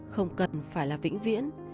không cần phải là vĩnh viễn